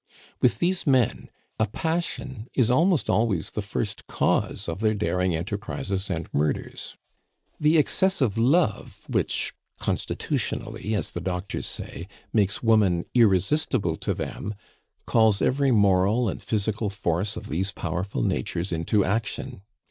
With these men a passion is almost always the first cause of their daring enterprises and murders. The excessive love which constitutionally, as the doctors say makes woman irresistible to them, calls every moral and physical force of these powerful natures into action.